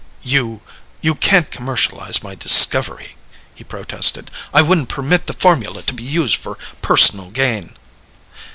"You ... you can't commercialize my discovery," he protested. "I wouldn't permit the formula to be used for personal gain."